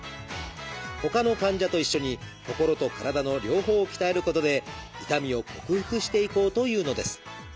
ほかの患者と一緒に心と体の両方を鍛えることで痛みを克服していこうというのです。